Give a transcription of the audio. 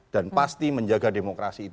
dan pasti menjaga demokrasi itu